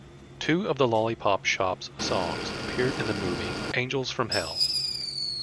Two of The Lollipop Shoppe's songs appeared in the movie, "Angels from Hell".